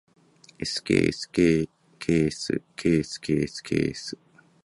skskksksksks